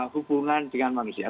hubungan dengan manusia